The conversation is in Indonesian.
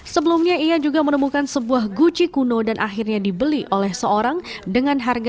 sebelumnya ia juga menemukan sebuah guci kuno dan akhirnya dibeli oleh seorang dengan harga